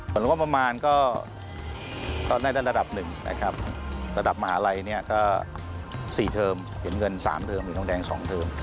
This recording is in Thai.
สำหรับประมาณก็ได้แค่ระดับหนึ่งระดับมหาลัยก็๔เทอมเห็นเงิน๓เทอมหรือต้องแทน๒เทอม